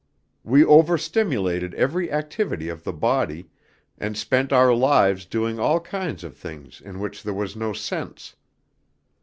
We over stimulated every activity of the body, and spent our lives doing all kinds of things in which there was no sense.